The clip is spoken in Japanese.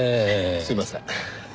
すいません。